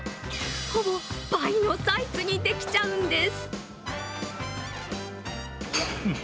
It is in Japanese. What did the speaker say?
ほぼ倍のサイズにできちゃうんです。